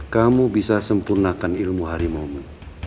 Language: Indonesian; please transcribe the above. kamu bisa sempurnakan ilmu harimaumu